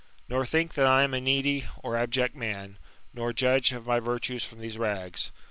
Nor think that I am a needy or abject man, nor judge of my virtues Irom these rags.